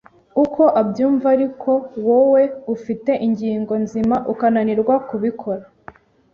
uko abyumva ariko wowe ufite ingingo nzima ukananirwa kubikora